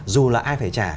dù là ai phải trả